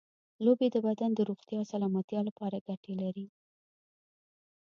لوبې د بدن د روغتیا او سلامتیا لپاره ګټې لري.